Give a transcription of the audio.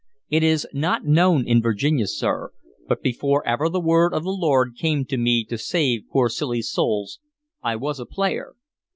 It is not known in Virginia, sir, but before ever the word of the Lord came to me to save poor silly souls I was a player.